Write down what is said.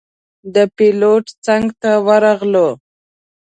د پېلوټ څنګ ته ورغلو.